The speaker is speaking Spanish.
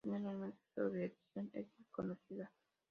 Generalmente su religión es desconocida.